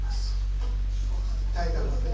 炊いたご飯ね。